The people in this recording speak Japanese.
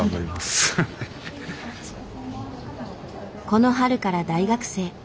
この春から大学生。